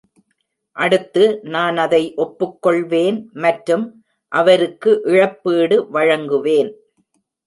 அடுத்து நான் அதை ஒப்புகொள்வேன் மற்றும் அவருக்கு இழப்பீடு வழங்குவேன்.